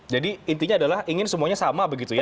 jadi intinya adalah ingin semuanya sama begitu ya